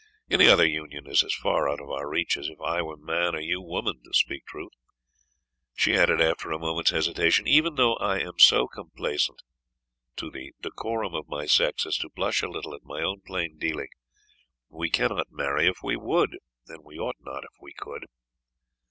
Any other union is as far out of our reach as if I were man, or you woman To speak truth," she added, after a moment's hesitation, "even though I am so complaisant to the decorum of my sex as to blush a little at my own plain dealing, we cannot marry if we would; and we ought not if we could."